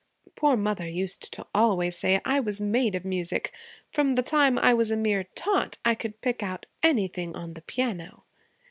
'Poor mother used to always say I was made of music. From the time I was a mere tot I could pick out anything on the piano.'